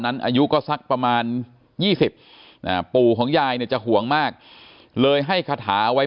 นั้นอายุก็สักประมาณ๒๐ปุ๋ยของยายจะห่วงมากเลยให้คาถาไว้